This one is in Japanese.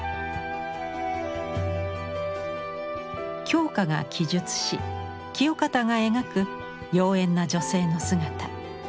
鏡花が記述し清方が描く妖艶な女性の姿。